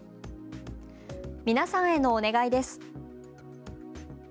皆さんへのお願いです。